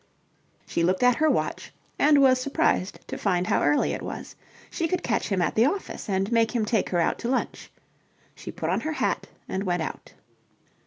She looked at her watch, and was surprised to find how early it was. She could catch him at the office and make him take her out to lunch. She put on her hat and went out.